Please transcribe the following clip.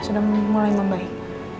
sudah mulai membaik